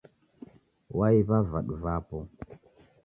Waiw'a vadu vapo.